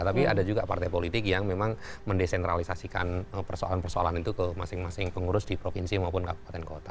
tapi ada juga partai politik yang memang mendesentralisasikan persoalan persoalan itu ke masing masing pengurus di provinsi maupun kabupaten kota